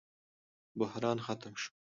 بحران ختم شو.